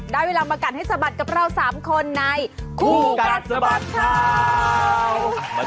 ได้เวลามากัดให้สะบัดกับเรา๓คนในคู่กัดสะบัดข่าว